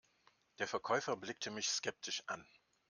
Der Verkäufer blickte mich skeptisch an.